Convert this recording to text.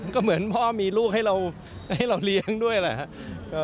ก็เหมือนพ่อมีลูกให้เราเลี้ยงด้วยแหละครับ